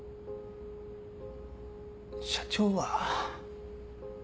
社長は。